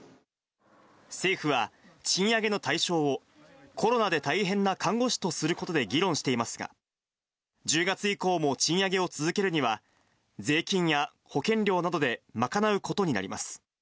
政府は、賃上げの対象を、コロナで大変な看護師とすることで議論していますが、１０月以降も賃上げを続けるには、税金や保険料などで賄うことになります。